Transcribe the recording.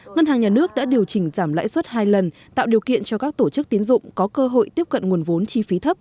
ngân hàng nhà nước đã điều chỉnh giảm lãi suất hai lần tạo điều kiện cho các tổ chức tiến dụng có cơ hội tiếp cận nguồn vốn chi phí thấp